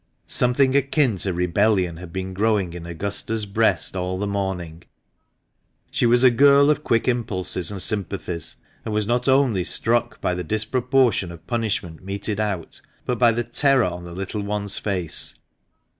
Something akin to rebellion had been growing in Augusta's breast all the morning. She was a girl of quick impulses and sympathies, and was not only struck by the disproportion of punishment meted out, but by the terror on the little one's face.